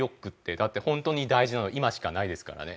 だってホントに大事なのは今しかないですからね。